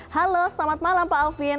halo selamat malam pak alvin